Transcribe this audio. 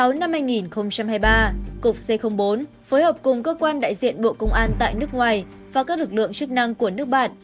phối hợp cùng cơ quan đại diện bộ công an tại nước ngoài và các lực lượng chức năng của nước bản